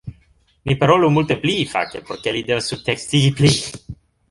Ni parolu multe pli fakte por ke li devas subtekstigi pli